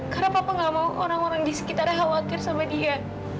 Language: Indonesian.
karena papa nggak mau orang orang di sekitarnya khawatir sama dia